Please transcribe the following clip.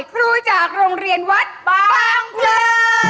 ครูจากโรงเรียนวัดบางพลา